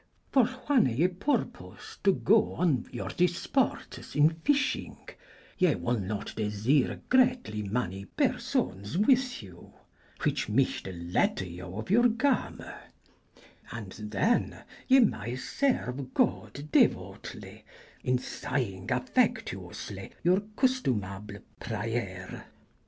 For whanne ye purpoos to goo on your disportes in fysshyng ye woll not desyre gretly many persones wyth you, whiche myghte lette you of your game. And thenne ye maye serue God deuowtly in sayenge affectuously youre custumable prayer.